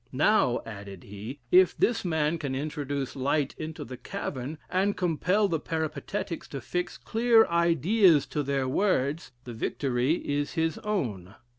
'Now,' added he, 'if this man can introduce light into the cavern, and compel the Peripatetics to fix clear ideas to their words, the victory is his own.